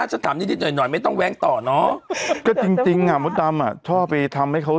หน่อยไม่ต้องแว้งต่อเนาะก็จริงอ่ะมดดำอ่ะชอบไปทำให้เขา